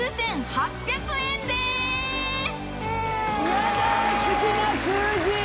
ヤダ好きな数字！